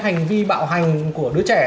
hành vi bạo hành của đứa trẻ